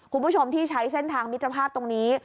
คุณผู้ชมที่ใช้เส้นทางมิตรภาพตรงนี้